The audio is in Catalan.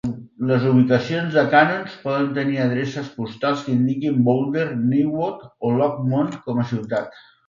Les ubicacions de canons poden tenir adreces postals que indiquen Boulder, Niwot o Longmont com a ciutat.